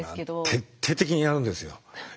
徹底的にやるんですよ。